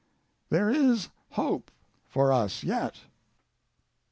There is hope for us yet.